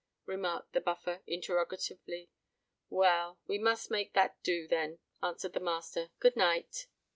remarked the Buffer, interrogatively. "Well—we must make that do, then," answered the master. "Good night."